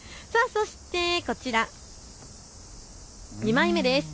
そして次はこちら、２枚目です。